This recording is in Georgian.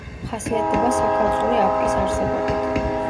ხასიათდება საქალწულე აპკის არსებობით.